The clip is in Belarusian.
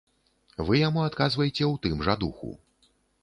Вы яму адказвайце ў тым жа духу.